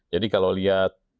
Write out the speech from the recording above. jadi kalau lihat